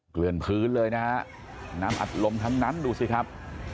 เกลือนพื้นเลยนะฮะน้ำอัดลมทั้งนั้นดูสิครับ